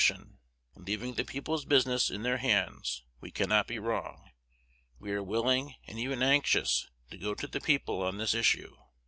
In leaving the people's business in their hands, we cannot be wrong. We are willing, and even anxious, to go to the people on this issue.